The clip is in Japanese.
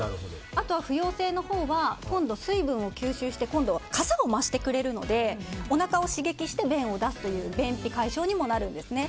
あとは不溶性のほうは今度、水分を吸収してかさを増してくれるのでおなかを刺激して便を出すという便秘解消にもなるんですね。